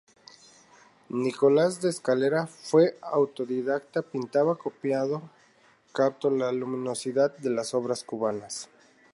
Nicolás de Escalera fue autodidacta, pintaba copiando, captó la luminosidad de las obras cubanas.